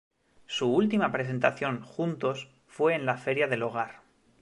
Su última presentación juntos fue en la Feria del Hogar.